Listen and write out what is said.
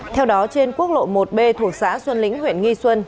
theo đó trên quốc lộ một b thuộc xã xuân lĩnh huyện nghi xuân